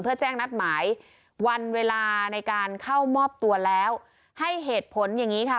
เพื่อแจ้งนัดหมายวันเวลาในการเข้ามอบตัวแล้วให้เหตุผลอย่างนี้ค่ะ